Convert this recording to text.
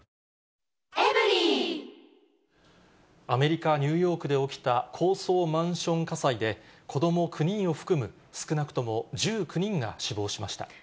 アメリカ・ニューヨークで起きた高層マンション火災で、子ども９人を含む少なくとも１９人が死亡しました。